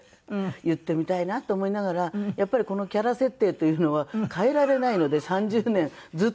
言ってみたいなと思いながらやっぱりこのキャラ設定というのは変えられないので３０年ずっとこのままです。